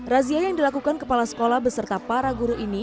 razia yang dilakukan kepala sekolah beserta para guru ini